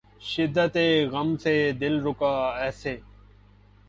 شدتِ غم سے دل رکا ایسے